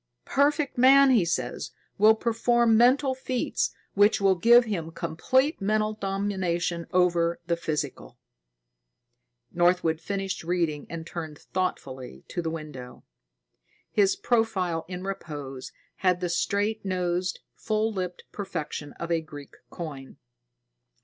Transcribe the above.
Perfect man, he says, will perform mental feats which will give him complete mental domination over the physical." Northwood finished reading and turned thoughtfully to the window. His profile in repose had the straight nosed, full lipped perfection of a Greek coin.